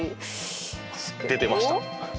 あっ出てました？